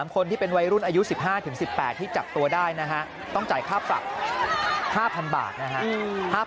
คนที่เป็นวัยรุ่นอายุ๑๕๑๘ที่จับตัวได้นะฮะต้องจ่ายค่าปรับ๕๐๐๐บาทนะครับ